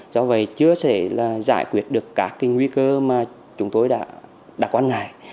do vậy chưa sẽ giải quyết được các nguy cơ mà chúng tôi đã quan ngại